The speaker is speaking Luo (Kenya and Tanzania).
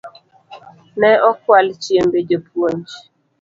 Ne okwal chiembe jopuonj